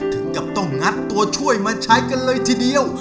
ถึงกับต้องงัดตัวช่วยมาใช้กันเลยทีเดียว